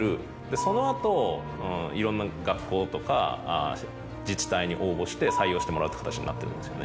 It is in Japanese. その後いろんな学校とか自治体に応募して採用してもらうって形になってるんですよね。